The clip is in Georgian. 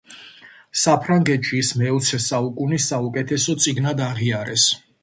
საფრანგეთში ის მეოცე საუკუნის საუკეთესო წიგნად აღიარეს.